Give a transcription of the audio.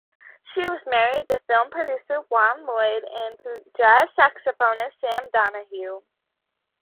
She was married to film producer Euan Lloyd and to jazz saxophonist Sam Donahue.